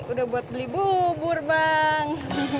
udah buat beli bubur bang